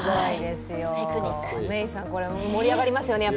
メイさん、これも盛り上がりますよね。